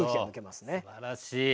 すばらしい。